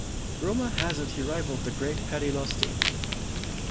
Rumour has it he rivalled the great Paddy Losty.